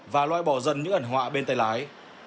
và loại bỏ dần những ẩn họa bên tay lái